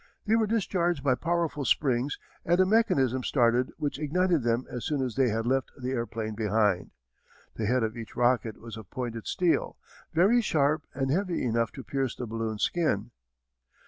They were discharged by powerful springs and a mechanism started which ignited them as soon as they had left the airplane behind. The head of each rocket was of pointed steel, very sharp and heavy enough to pierce the balloon skin.